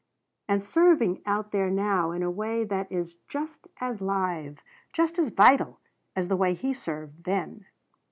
And serving out there now in a way that is just as live just as vital as the way he served then."